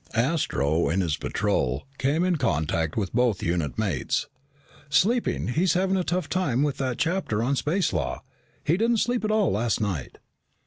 Astro, in his patrol, came in contact with both unit mates. "Sleepy. He's having a tough time with that chapter on space law. He didn't sleep at all last night."